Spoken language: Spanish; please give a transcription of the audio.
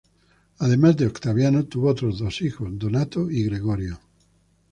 Además de Octaviano, tuvo otros dos hijos: Donato y Gregorio.